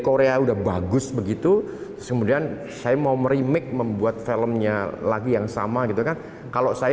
korea udah bagus begitu kemudian saya mau merimik membuat filmnya lagi yang sama gitu kan kalau saya